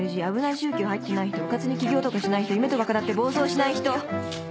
宗教入ってない人うかつに起業とかしない人夢とか語って暴走しない人！